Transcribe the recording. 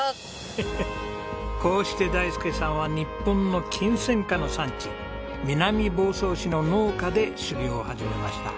ヘヘッこうして大介さんは日本のキンセンカの産地南房総市の農家で修業を始めました。